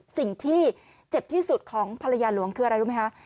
สิ่งที่เจ็บที่สุดของภรรยาหลวงคืออะไรรู้ไหมคะ